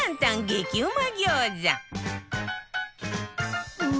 激うま餃子